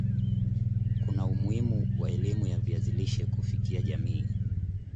kuna umuhimu wa elimu ya viazi lishe kufikia jamii